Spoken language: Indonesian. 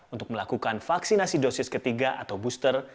untuk melakukan vaksinasi dosis ketiga atau booster